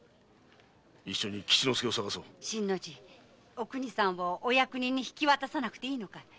お邦さんをお役人に引き渡さなくていいのかい？